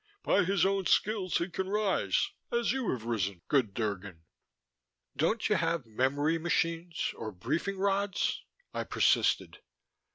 "By his own skills he can rise ... as you have risen, good Drgon." "Don't you have memory machines or briefing rods?" I persisted.